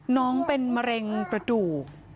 น้องเป็นมะเร็งกระดูก